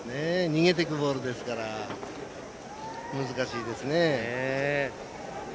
逃げていくボールですから難しいですね。